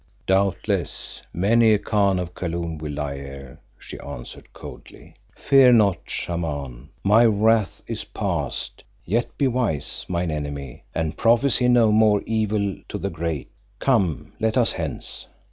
"Doubtless many a Khan of Kaloon will lie here," she answered coldly. "Fear not, Shaman, my wrath is past, yet be wise, mine enemy, and prophesy no more evil to the great. Come, let us hence."